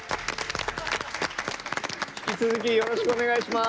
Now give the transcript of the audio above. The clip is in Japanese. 引き続きよろしくお願いします。